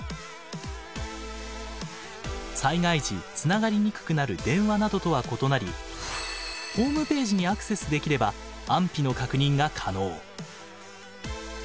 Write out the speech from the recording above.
災害時つながりにくくなる電話などとは異なりホームページにアクセスできれば安否の確認が可能。